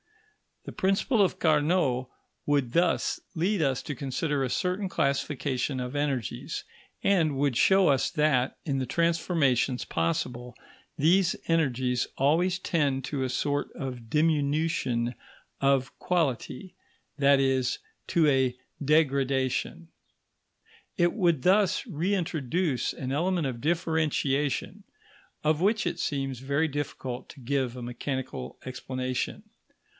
The principle of Carnot would thus lead us to consider a certain classification of energies, and would show us that, in the transformations possible, these energies always tend to a sort of diminution of quality that is, to a degradation. It would thus reintroduce an element of differentiation of which it seems very difficult to give a mechanical explanation.